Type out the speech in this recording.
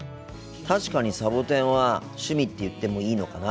確かにサボテンは趣味って言ってもいいのかな。